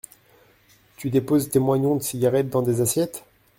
Tu déposes tes moignons de cigarettes dans des assiettes ?